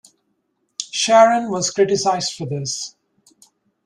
Sharon was criticized for this.